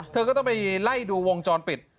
เธอก็ต้องไปไล่ดูวงจรปิด